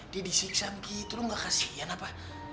dia disiksa begitu lu gak kasihan apa